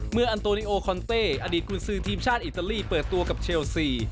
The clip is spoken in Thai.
อันโตลิโอคอนเต้อดีตกุญซือทีมชาติอิตาลีเปิดตัวกับเชลซี